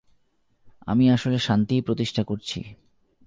আমি আসলে শান্তিই প্রতিষ্ঠা করছি।